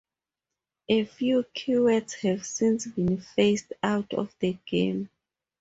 A few keywords have since been phased out of the game.